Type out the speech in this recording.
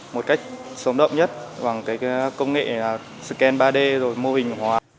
một cách sống đậm nhất bằng cái công nghệ là scan ba d rồi mô hình hóa